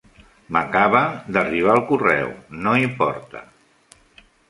M'acaba d'arribar el correu, no importa!